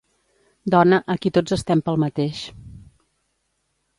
Dona, aquí tots estem pel mateix.